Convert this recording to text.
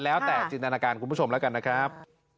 แล้วแต่จินตนาการคุณผู้ชมแล้วกันนะครับ